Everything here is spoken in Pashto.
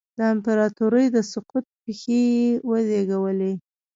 د امپراتورۍ د سقوط پېښې یې وزېږولې